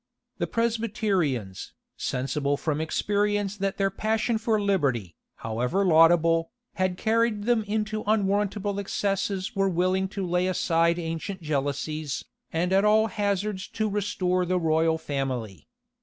The Presbyterians, sensible from experience that their passion for liberty, how ever laudable, had carried them into unwarrantable excesses were willing to lay aside ancient jealousies, and at all hazards to restore the royal family.